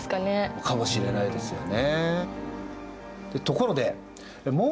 かもしれないですよね。